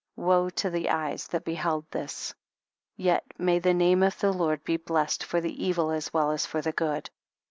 Woe to the eyes that beheld this ! yet may the name of the Lord be blessed for the evil as well as for the good.